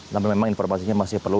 namun memang informasinya masih perlu